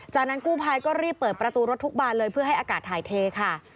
จากนั้นกู้ภัยก็รีบเปิดประตูรถทุกบานเลยเพื่อให้อากาศถ่ายเทค่ะ